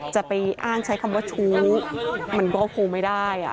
จะไปอ้างใช้คำว่าชู้มันก็คงไม่ได้